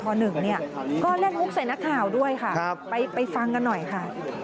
ก็เรียกมุกใส่นักข่าวด้วยค่ะไปฟังกันหน่อยค่ะ